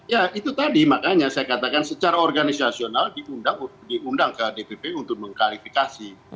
ya itu tadi makanya saya katakan secara organisasional diundang ke dpp untuk mengklarifikasi